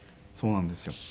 そうなんですよ。